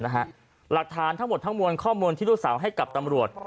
หลักฐานทั้งหมดทั้งมวลข้อมูลที่ลูกสาวให้กับตำรวจ